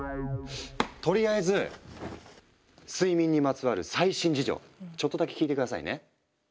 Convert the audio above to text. とりあえず睡眠にまつわる最新事情ちょっとだけ聞いて下さいね。